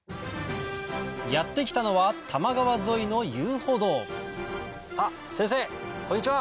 やって来たのは多摩川沿いの遊歩道先生こんにちは。